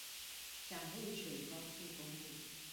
蔣渭水高速公路